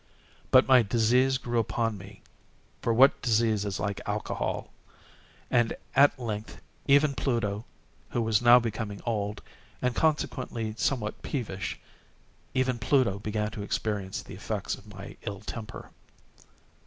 But my disease grew upon me—for what disease is like Alcohol!—and at length even Pluto, who was now becoming old, and consequently somewhat peevish—even Pluto began to experience the effects of my ill temper.